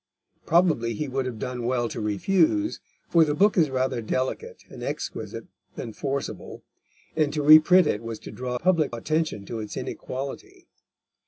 Probably he would have done well to refuse, for the book is rather delicate and exquisite than forcible, and to reprint it was to draw public attention to its inequality.